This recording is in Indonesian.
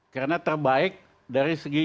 karena terbaik dari segi